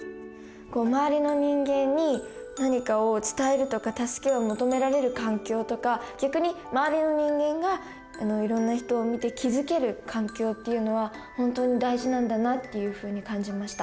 周りの人間に何かを伝えるとか助けを求められる環境とか逆に周りの人間がいろんな人を見て気付ける環境っていうのは本当に大事なんだなっていうふうに感じました。